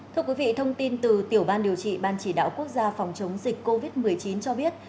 thưa quý vị thông tin từ tiểu ban điều trị ban chỉ đạo quốc gia phòng chống dịch covid một mươi chín cho biết